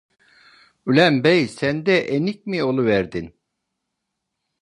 Ulen bey sen de enik mi oluverdin!